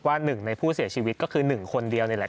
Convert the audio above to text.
หนึ่งในผู้เสียชีวิตก็คือ๑คนเดียวนี่แหละ